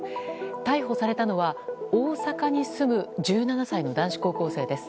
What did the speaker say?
逮捕されたのは、大阪に住む１７歳の男子高校生です。